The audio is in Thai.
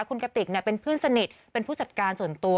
คุณกติกเป็นเพื่อนสนิทเป็นผู้จัดการส่วนตัว